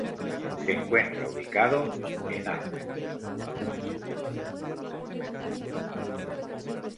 Se encuentra ubicado en Av.